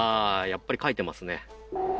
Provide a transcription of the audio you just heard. やっぱり書いてますね。